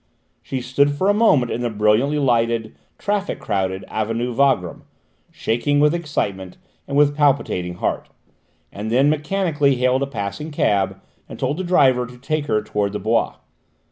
She stood for a moment in the brilliantly lighted, traffic crowded Avenue Wagram, shaking with excitement and with palpitating heart, and then mechanically hailed a passing cab and told the driver to take her towards the Bois.